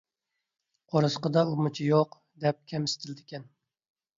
«قورسىقىدا ئۇمىچى يوق» دەپ كەمسىتىلىدىكەن.